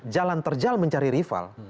jalan terjal mencari rival